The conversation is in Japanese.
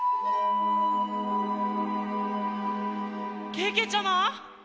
けけちゃま！